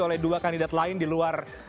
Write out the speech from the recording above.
oleh dua kandidat lain di luar